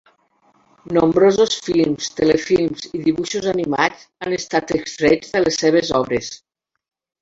Nombrosos films, telefilms i dibuixos animats han estat extrets de les seves obres.